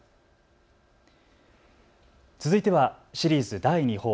続いてはシリーズ第二報。